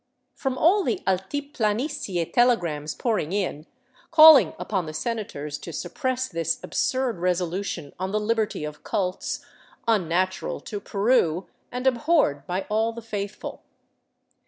From all the altiplanicie telegrams poured in, calling upon the sena tors to suppress " this absurd resolution on the liberty of cults, un natural to Peru and abhorred by all the faithful."